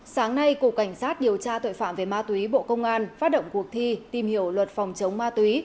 sáng nay cục cảnh sát điều tra tội phạm về ma túy bộ công an phát động cuộc thi tìm hiểu luật phòng chống ma túy